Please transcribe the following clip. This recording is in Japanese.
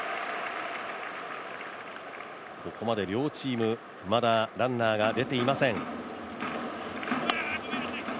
ここまで両チーム、まだランナーが出ていません。